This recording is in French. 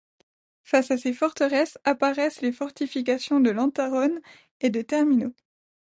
Face à ces forteresses apparaissent les fortifications de Lantarón et de Termino.